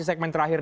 di segmen terakhir